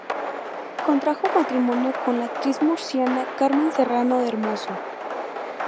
Contrajo matrimonio con la actriz murciana Carmen Serrano Hermoso.